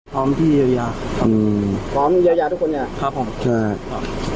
พร้อมที่จะเยียวยาพร้อมที่จะเยียวยาทุกคนเนี่ย